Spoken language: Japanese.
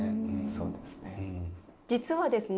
そうですね。